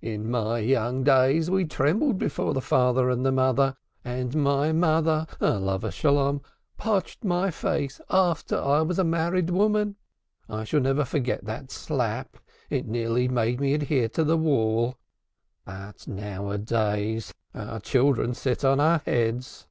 In my young days we trembled before the father and the mother, and my mother, peace be upon him, potched my face after I was a married woman. I shall never forget that slap it nearly made me adhere to the wall. But now a days our children sit on our heads.